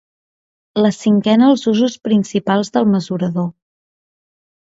La cinquena els usos principals del mesurador.